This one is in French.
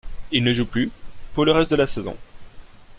Il ne joue plus pour le reste de la saison.